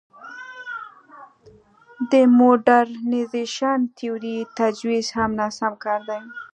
د موډرنیزېشن تیورۍ تجویز هم ناسم کار دی.